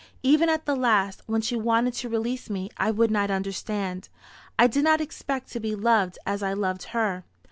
Even at the last, when she wanted to release me, I would not understand. I did not expect to be loved as I loved her.